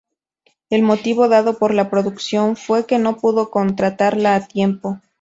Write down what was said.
El motivo dado por la producción fue que no pudo contratarla a tiempo.